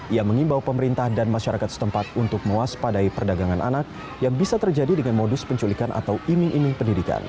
ia mengimbau pemerintah dan masyarakat setempat untuk mewaspadai perdagangan anak yang bisa terjadi dengan modus penculikan atau iming iming pendidikan